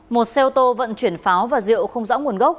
một xe ô tô vận chuyển pháo và rượu không rõ nguồn gốc